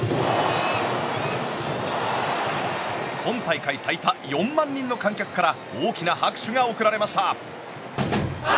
今大会最多４万人の観客から大きな拍手が送られました。